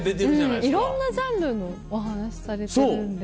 いろんなジャンルのお話されてるんで。